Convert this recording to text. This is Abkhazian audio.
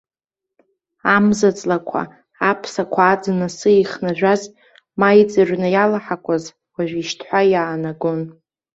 Амза-ҵлақәа, аԥсақәа, аӡын асы ихнажәаз, ма иҵыҩрны иалаҳақәаз, уажә ишьҭҳәа иаанагон.